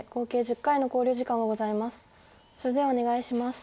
それではお願いします。